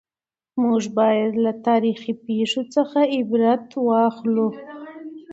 موږ باید له تاریخي پېښو څخه عبرت واخیستل شي.